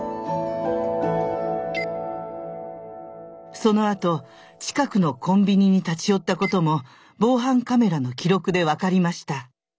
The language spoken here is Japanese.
そのあと近くのコンビニに立ち寄ったことも防犯カメラの記録で分かりました。